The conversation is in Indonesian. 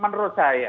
menurut khidmat saya